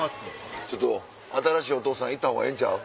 ちょっと新しいお父さん行ったほうがええんちゃう？